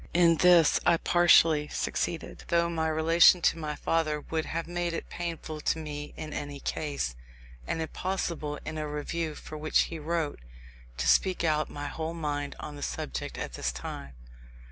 In this I partially succeeded, though my relation to my father would have made it painful to me in any case, and impossible in a Review for which he wrote, to speak out my whole mind on the subject at this time.